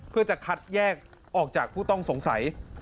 เพื่อจะคัดแยกออกจากผู้ต้องสงสัย